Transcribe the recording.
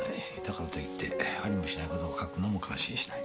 だからといってありもしない事を書くのも感心しない。